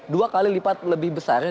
dua kali lipat lebih besar